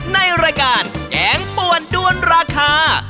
ในรายการแกงป่วนด้วนราคา